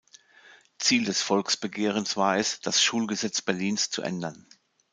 Ziel des Volksbegehrens war es, das Schulgesetz Berlins zu ändern.